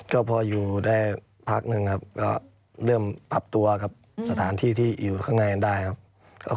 ก็พออยู่ได้พักหนึ่งครับก็เริ่มปรับตัวกับสถานที่ที่อยู่ข้างในกันได้ครับ